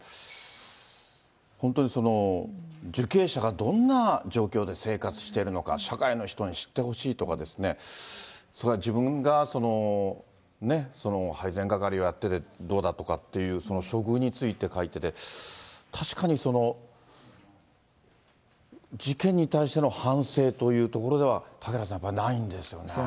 本当に、受刑者がどんな状況で生活してるのか、社会の人に知ってほしいですとか、それは自分が配ぜん係をやっててどうだとかっていうその処遇について書いてて、確かに事件に対しての反省というところでは、そうなんですよね。